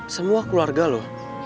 semua keluarga lo